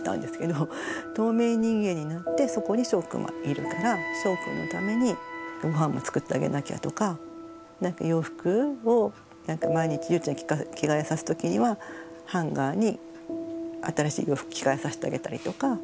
透明人間になってそこにしょうくんはいるからしょうくんのためにごはんも作ってあげなきゃとか洋服を毎日ゆうちゃん着替えさすときにはハンガーに新しい洋服着替えさせてあげたりとか。